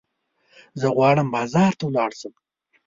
زه غواړم بازار ته ولاړ شم.